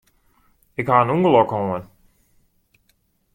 Ik ha in ûngelok hân.